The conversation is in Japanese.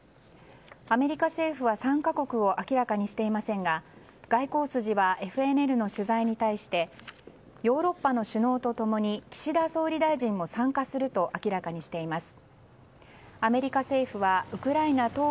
アメリカ政府は参加国を明らかにしていませんが外交筋はＦＮＮの取材に対してヨーロッパの首脳と共に岸田総理大臣も参加すると明らかにしています。